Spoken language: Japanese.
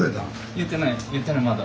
言ってないまだ。